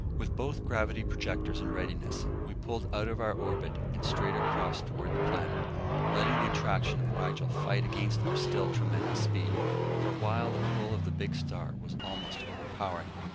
With both gravity projectors in readiness, we pulled out of our orbit and straight across toward the planet, letting the attraction of Rigel fight against our still tremendous speed. For a while, the pull of the big star was almost overpowering.